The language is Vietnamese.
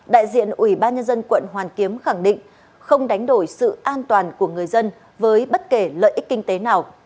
đại diện ubnd quận hoàn kiếm khẳng định không đánh đổi sự an toàn của người dân với bất kể lợi ích kinh tế nào